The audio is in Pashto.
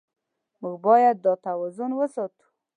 موږ باید دا توازن وساتو.